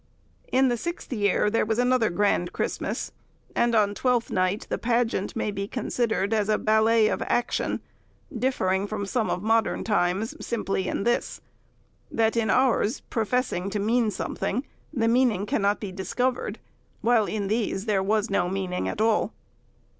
In the sixth year, there was another grand Christmas; and on Twelfth Night the pageant may be considered as a ballet of action, differing from some of modern times, simply in this: that in ours professing to mean something, the meaning cannot be discovered, while in these there was no meaning at all.